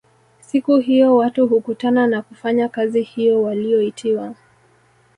Siku hiyo watu hukutana na kufanya kazi hiyo waliyoitiwa